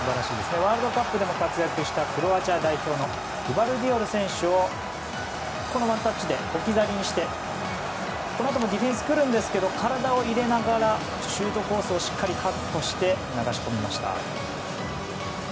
ワールドカップでも活躍したクロアチア代表のグバルディオル選手をこのワンタッチで置き去りにしてこのあともディフェンスが来るんですけど体を入れながらシュートコースをしっかりカットして流し込みました。